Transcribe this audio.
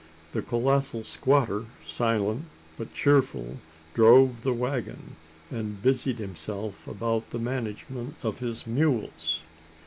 The colossal squatter, silent but cheerful, drove the waggon, and busied himself about the management of his mules.